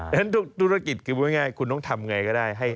ฉะนั้นธุรกิจคือคุณต้องทำอย่างไรก็ได้